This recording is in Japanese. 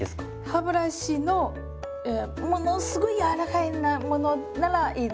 歯ブラシのものすごい軟らかいものならいいです。